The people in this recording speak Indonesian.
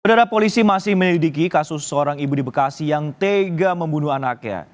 sebenarnya polisi masih menyelidiki kasus seorang ibu di bekasi yang tega membunuh anaknya